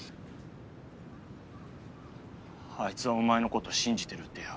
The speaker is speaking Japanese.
あいつはお前の事信じてるってよ。